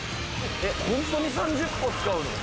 ・・ホントに３０個使うの？